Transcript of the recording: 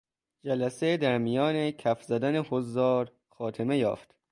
جلسه در میان کف زدن حضار خاتمه یافت.